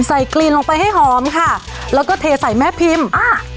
กลีนลงไปให้หอมค่ะแล้วก็เทใส่แม่พิมพ์อ่า